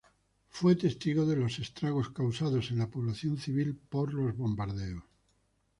Fue testigo de los estragos causados en la población civil por los bombardeos.